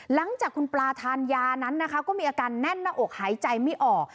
หลังจากคุณปลาทานยานั้นนะคะก็มีอาการแน่นหน้าอกหายใจไม่ออก